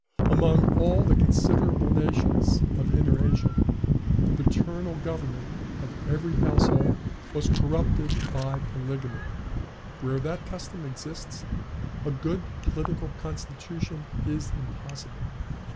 "Among all the considerable nations of Inner Asia, the paternal government of every household was corrupted by polygamy: where that custom exists, a good political constitution is impossible.